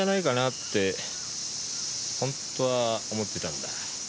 本当は思ってたんだ。